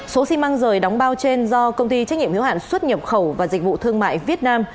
số xi măng rời đóng bao trên do công ty trách nhiệm hiếu hạn xuất nhập khẩu và dịch vụ thương mại việt nam